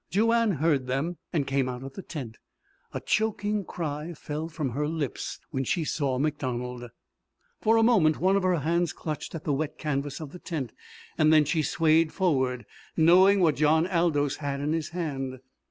Joanne heard them, and came out of the tent. A choking cry fell from her lips when she saw MacDonald. For a moment one of her hands clutched at the wet canvas of the tent, and then she swayed forward, knowing what John Aldous had in his hand.